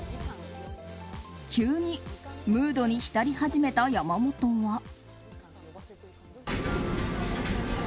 急にムードに浸り始めた山本は。